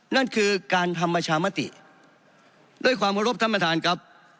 นั่นคือการทำประชามติด้วยความขอรบท่านประธานครับ